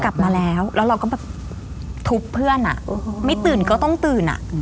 กลับมาแล้วแล้วเราก็แบบทุบเพื่อนอ่ะไม่ตื่นก็ต้องตื่นอ่ะ